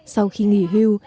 sau khi nghỉ hưu